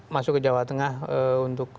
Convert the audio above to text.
masuk ke jawa tengah untuk